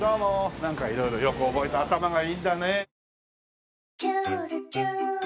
なんか色々よく覚えて頭がいいんだね。